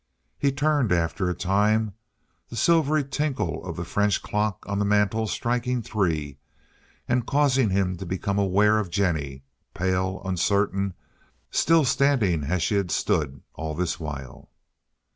He turned after a time, the silvery tinkle of the French clock on the mantel striking three and causing him to become aware of Jennie, pale, uncertain, still standing as she had stood all this while.